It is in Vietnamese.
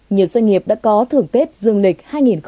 nhiều doanh nghiệp đã có thưởng tết dương lịch